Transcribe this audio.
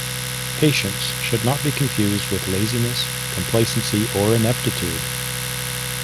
Patience should not be confused with laziness, complacency or inaptitude.